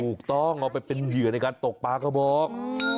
ถูกต้องเอาไปเป็นเหยื่อในการตกปลากระบอก